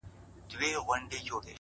• دُرې به اوري پر مظلومانو ,